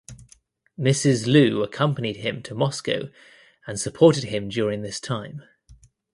Mrs Lou accompanied him to Moscow and supported him during this time.